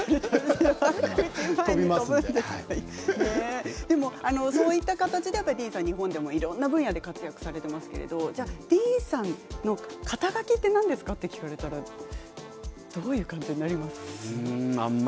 笑い声そういった形でディーンさんは日本でもいろんな分野で活躍されていますが肩書なんですか、って聞かれたらどういう感じになりますか。